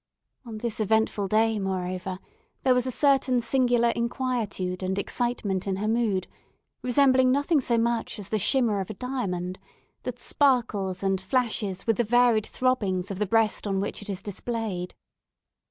On this eventful day, moreover, there was a certain singular inquietude and excitement in her mood, resembling nothing so much as the shimmer of a diamond, that sparkles and flashes with the varied throbbings of the breast on which it is displayed.